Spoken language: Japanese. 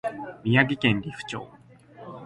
宮城県利府町